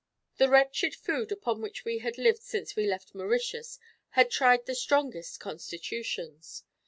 "The wretched food upon which we had lived since we left Mauritius had tried the strongest constitutions.